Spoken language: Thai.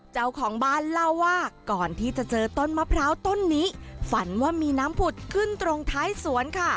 เจ้าของบ้านเล่าว่าก่อนที่จะเจอต้นมะพร้าวต้นนี้ฝันว่ามีน้ำผุดขึ้นตรงท้ายสวนค่ะ